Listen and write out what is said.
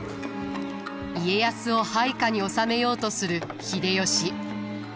家康を配下に収めようとする秀吉。